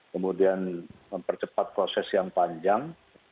kemudian mempercepat proses yang panjang